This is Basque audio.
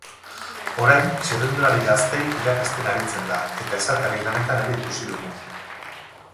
Orain txirrindulari gazteei irakasten aritzen da, eta esatari lanetan ere ikusi dugu.